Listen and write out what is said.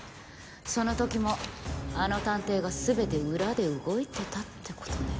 その時もあの探偵が全て裏で動いてたってことね。